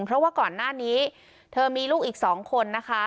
เพราะว่าก่อนหน้านี้เธอมีลูกอีก๒คนนะคะ